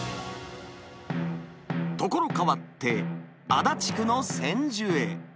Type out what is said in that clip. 所変わって、足立区の千住へ。